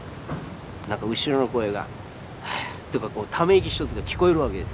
何か後ろの声がはあとかため息一つが聞こえるわけですよ。